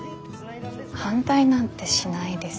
反対なんてしないです。